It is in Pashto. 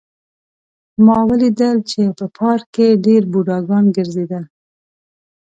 ما ولیدل چې په پارک کې ډېر بوډاګان ګرځېدل